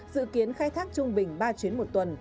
dự kiến khai thác trung bình ba chuyến một tuần